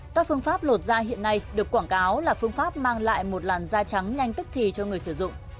các phương pháp lột da hiện nay được quảng cáo là phương pháp mang lại một làn da trắng nhanh tức thì cho người sử dụng